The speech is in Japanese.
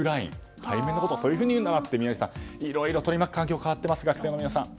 対面のことをそういうふうに言うんだなと宮司さん、いろいろ取り巻く環境が変わってます。